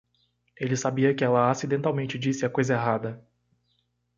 Ela sabia que ela acidentalmente disse a coisa errada.